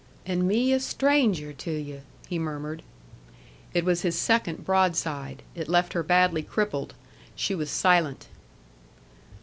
"And me a stranger to you!" he murmured. It was his second broadside. It left her badly crippled. She was silent.